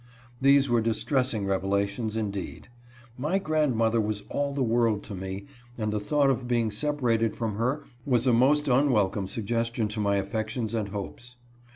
These were distressing revelations, indeed. My grandmother was all the world to me, and the thought of being separated from her was a most unwelcome sugges tion to my affections and hopes.